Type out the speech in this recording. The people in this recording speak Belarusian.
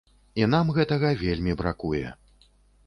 І нам гэтага вельмі бракуе.